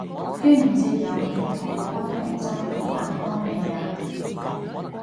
端午節有女童軍龍舟隊扮安妮亞